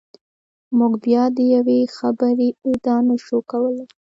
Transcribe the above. موږ بیا د یوې خبرې ادعا نشو کولای.